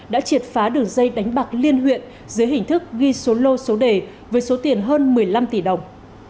đã triệt phá đường dây đánh bạc liên huyện dưới hình thức ghi số lô số đề với số tiền hơn một mươi năm tỷ đồng